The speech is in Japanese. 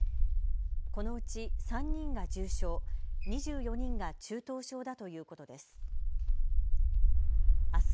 このうち３人が重症、２４人が中等症だということです。